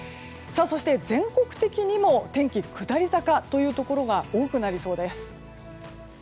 そして、全国的にも天気下り坂というところが多くなりそうです。